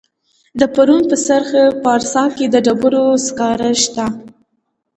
د پروان په سرخ پارسا کې د ډبرو سکاره شته.